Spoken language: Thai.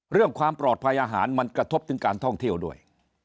เรื่องความปลอดภัยอาหารมันกระทบถึงการท่องเที่ยวด้วย